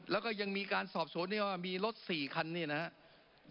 แล้วก็ยังมีการสอบโสดตัวนี้ว่ามีรถ๔คันเนี่ยนะฮะ